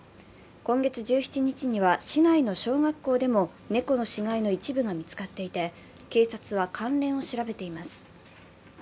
今月１７日には市内の小学校でも猫の死骸の一部が見つかっていて、警察は関連を調べています。